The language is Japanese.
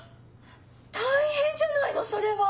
大変じゃないのそれは。